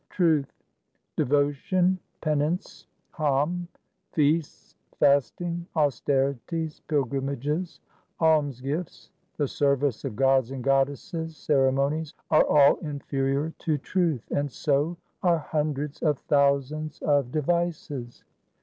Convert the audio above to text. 1 Truth :— Devotion, penance, horn, feasts, fasting, austerities, pilgrimages, alms gifts, the service of gods and goddesses, ceremonies, are all inferior to truth, and so are hundreds of thousands of devices.